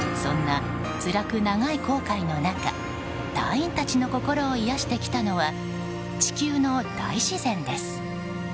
そんなつらく長い航海の中隊員たちの心を癒やしてきたのは地球の大自然です。